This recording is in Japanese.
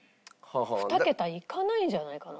２桁いかないんじゃないかな。